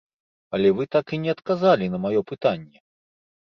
Але вы так і не адказалі на маё пытанне.